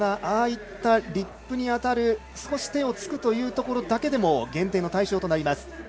あいったリップに当たる少し手をつくというだけでも減点の対象となります。